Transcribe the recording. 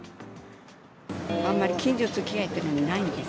あんまり近所づきあいというのがないんです。